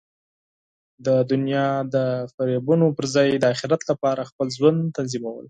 د دنیا د فریبونو پر ځای د اخرت لپاره خپل ژوند تنظیمول.